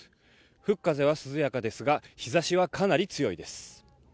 吹く風は涼やかですが日ざしはかなり強いです。